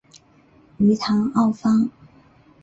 于唐奥方。